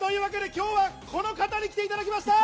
今日はこの方に来ていただきました。